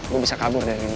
gua bisa kabur dari dia